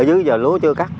ở dưới giờ lúa chưa cắt